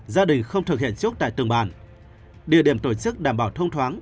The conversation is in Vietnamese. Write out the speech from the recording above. gia đình không thực hiện chốt tại từng bản địa điểm tổ chức đảm bảo thông thoáng